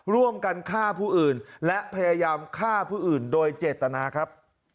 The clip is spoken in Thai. ร่วมกันฆ่าผู้อื่นและพยายามฆ่าผู้อื่นโดยเจตนาครับ